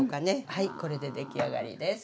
はいこれで出来上がりです。